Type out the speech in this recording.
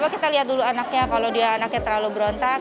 kita lihat dulu anaknya kalau dia anaknya terlalu berontak